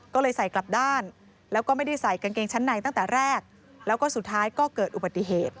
ก็เลยใส่กลับด้านแล้วก็ไม่ได้ใส่กางเกงชั้นในตั้งแต่แรกแล้วก็สุดท้ายก็เกิดอุบัติเหตุ